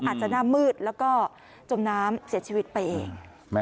หน้ามืดแล้วก็จมน้ำเสียชีวิตไปเอง